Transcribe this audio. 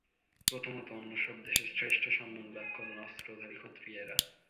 প্রথমত অন্য সব দেশে শ্রেষ্ঠ সম্মান লাভ করেন অস্ত্রধারী ক্ষত্রিয়েরা।